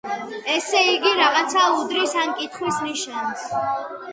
ესე იგი, რაღაცა უდრის ამ კითხვის ნიშანს.